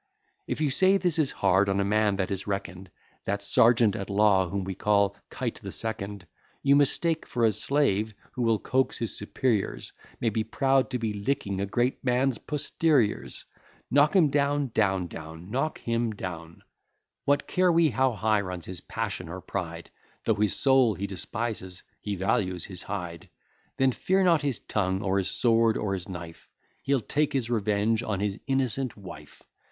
If you say this is hard on a man that is reckon'd That sergeant at law whom we call Kite the Second, You mistake; for a slave, who will coax his superiors, May be proud to be licking a great man's posteriors. Knock him down, etc. What care we how high runs his passion or pride? Though his soul he despises, he values his hide; Then fear not his tongue, or his sword, or his knife; He'll take his revenge on his innocent wife.